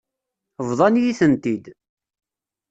Bḍan-iyi-tent-id.